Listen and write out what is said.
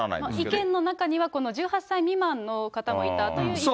意見の中には１８歳未満の方もいたという意見も。